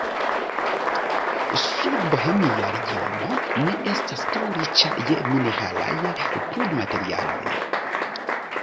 Sudbohemia Regiono ne estas tro riĉa je mineralaj krudmaterialoj.